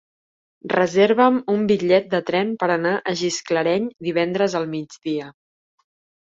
Reserva'm un bitllet de tren per anar a Gisclareny divendres al migdia.